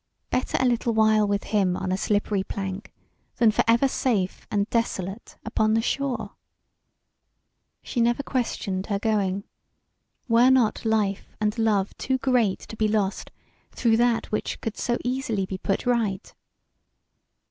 Better a little while with him on a slippery plank than forever safe and desolate upon the shore! She never questioned her going; were not life and love too great to be lost through that which could be so easily put right?